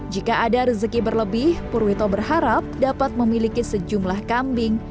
jika ada rezeki berlebih purwito berharap dapat memiliki sejumlah kambing